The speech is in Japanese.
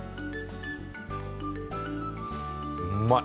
うまい。